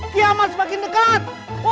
kiamat semakin dekat